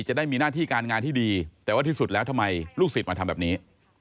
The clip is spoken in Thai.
จะได้มีหน้าที่การงานที่ดีแต่ว่าที่สุดแล้วทำไมลูกศิษย์มาทำแบบนี้